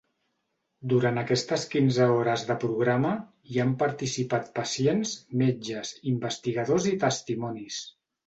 Durant aquestes quinze hores de programa, hi han participat pacients, metges, investigadors i testimonis.